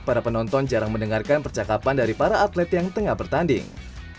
para penonton jarang mendengarkan percakapan dari para atlet yang tengah bertanding